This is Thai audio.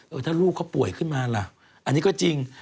ถ้าลูกเขาป่วยขึ้นมาล่ะอันนี้ก็จริง